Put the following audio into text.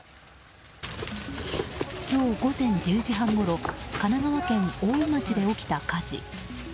今日午前１０時半ごろ神奈川県大井町で起きた火事。